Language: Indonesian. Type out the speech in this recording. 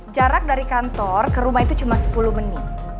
jarak dari kantor ke rumah itu cuma sepuluh menit